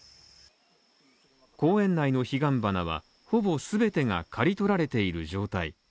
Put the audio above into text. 公園内のヒガンバナは、ほぼ全てが刈り取られている状態。